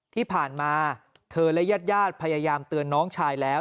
ที่ผ่านมาเธอและญาติพยายามเตือนน้องชายแล้ว